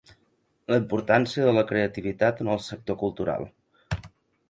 La importància de la creativitat en el sector cultural.